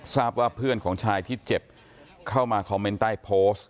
ทราบว่าเพื่อนของชายที่เจ็บเข้ามาคอมเมนต์ใต้โพสต์